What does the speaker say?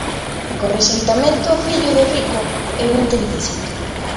E co rexeitamento ao fillo do rico: eu non te necesito.